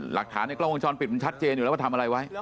หลักฐานในกล้องวงจรปิดมันชัดเจนอยู่แล้วว่าทำอะไรไว้